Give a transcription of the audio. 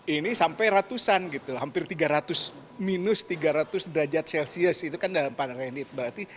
ini sampai ratusan gitu hampir tiga ratus minus tiga ratus derajat celcius itu kan dalam pandangan itu berarti